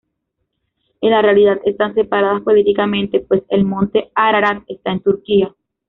En la realidad, están separadas políticamente, pues el monte Ararat está en Turquía.